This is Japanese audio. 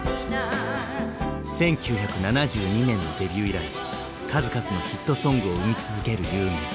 １９７２年のデビュー以来数々のヒットソングを生み続けるユーミン。